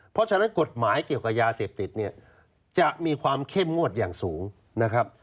เพราะฉะนั้นกฎหมายเกี่ยวกับยาเสพติดเนี่ยจะมีความเข้มงวดอย่างสูงนะครับ